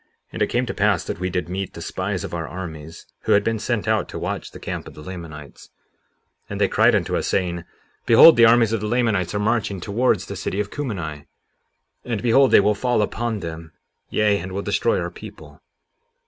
And it came to pass that we did meet the spies of our armies, who had been sent out to watch the camp of the Lamanites. 57:31 And they cried unto us, saying—Behold, the armies of the Lamanites are marching towards the city of Cumeni; and behold, they will fall upon them, yea, and will destroy our people.